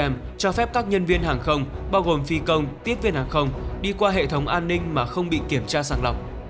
theo đó thẻ kcm cho phép các nhân viên hàng không bao gồm phi công tiếp viên hàng không đi qua hệ thống an ninh mà không bị kiểm tra sàng lọc